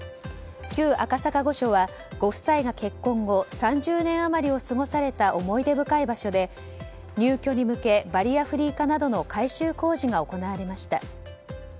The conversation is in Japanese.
旧赤坂御所はご夫妻が結婚後３０年余りを過ごした思い出深い場所で、入居に向けバリアフリー化などの改修工事が行われました。